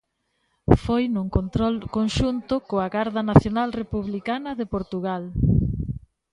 Foi nun control conxunto coa Garda Nacional Republicana de Portugal.